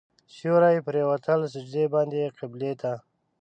سیوري پرېوتل سجدې باندې قبلې ته.